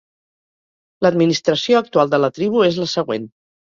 L"administració actual de la tribu és la següent.